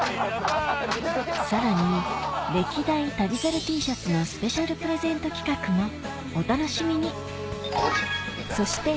さらに歴代旅猿Ｔシャツのスペシャルプレゼント企画もお楽しみにそして